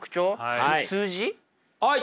はい！